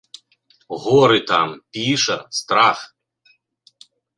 Горы там, піша, страх.